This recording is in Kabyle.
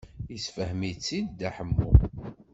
Yessefhem-itt-id Dda Ḥemmu.